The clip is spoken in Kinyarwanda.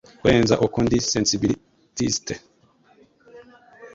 Kurenza uko ndi sensibilitiste